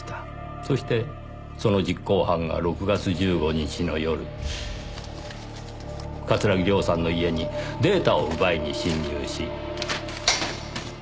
そしてその実行犯が６月１５日の夜桂木涼さんの家にデータを奪いに侵入し。